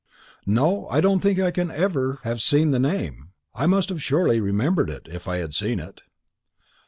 "No, I don't think I can ever have seen the name; I must surely have remembered it, if I had seen it."